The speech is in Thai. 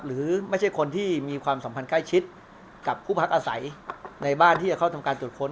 หรือไม่ใช่คนที่มีความสัมพันธ์ใกล้ชิดกับผู้พักอาศัยในบ้านที่จะเข้าทำการตรวจค้น